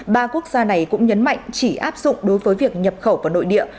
ba quốc gia này cũng nhấn mạnh chỉ áp dụng đối với việc nhập khẩu vào nội địa